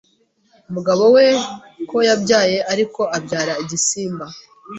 umugabo we ko yabyaye ariko abyara igisimba